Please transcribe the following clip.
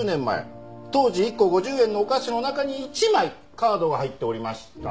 当時１個５０円のお菓子の中に１枚カードが入っておりました。